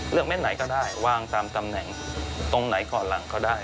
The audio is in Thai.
เม็ดไหนก็ได้วางตามตำแหน่งตรงไหนก่อนหลังก็ได้